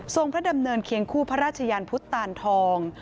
พระดำเนินเคียงคู่พระราชยานพุทธตานทอง